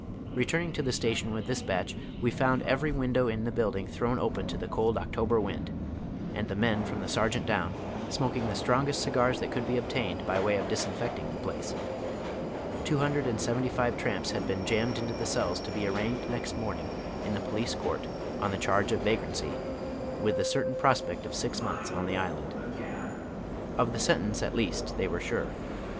Eeturning to the station with this batdi, we found evejy window in the building thrown open to the cold October wind, and the men from the sergeant down smoking tlie strongest cigars that could be obtained by way of disen fecting the place. Two hundred and seventy five tramps had been jammed into the cells to be arraigned next morn ing in^the police court on the charge of vagrancy, with the certain prospect of si.x months " on the Island." Of the sentence at least they were sure.